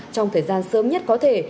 trong thời gian sớm nhất có thể